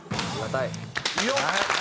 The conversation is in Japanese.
よっ！